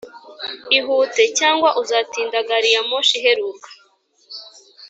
ihute, cyangwa uzatinda gari ya moshi iheruka.